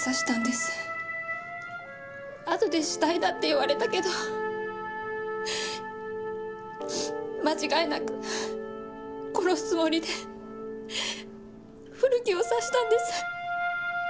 あとで死体だって言われたけど間違いなく殺すつもりで古木を刺したんです。